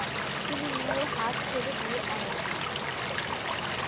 তিনি মেয়ের হাত ছেড়ে দিয়ে অনেকক্ষণ।